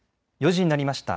４時になりました。